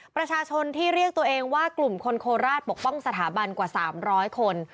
ประชาชนที่เรียกตัวเองว่ากลุ่มคนโคราชปกป้องสถาบันกว่า๓๐๐คน